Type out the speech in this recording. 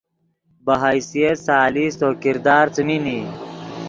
بہ حیثیت ثالث تو کردار څیمین ای